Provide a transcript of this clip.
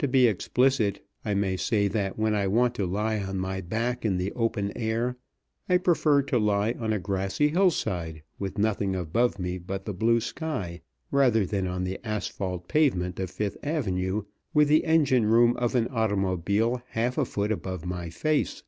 To be explicit, I may say that when I want to lie on my back in the open air, I prefer to lie on a grassy hillside, with nothing above me but the blue sky, rather than on the asphalt pavement of Fifth Avenue, with the engine room of an automobile half a foot above my face.